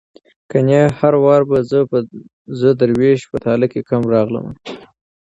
کنې هر وار به زه دروېش په تاله کم راغلمه